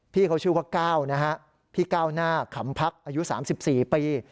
พี่เขาชื่อว่าก้าวนะฮะพี่ก้าวหน้าขำพักอายุ๓๔ปี